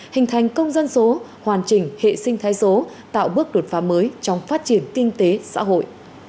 hình thành công dân số hoàn chỉnh hệ sinh thái số tạo bước đột phá mới trong phát triển kinh tế xã hội